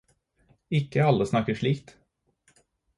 Ikke alle snakker likt.